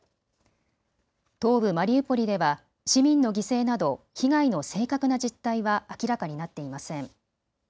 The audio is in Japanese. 東部マリウポリでは市民の犠牲など被害の正確な実態は明らかになっていません。